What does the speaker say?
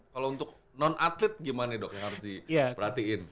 kalau untuk non atlet gimana dok yang harus diperhatiin